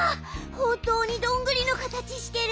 ほんとうにどんぐりのかたちしてる！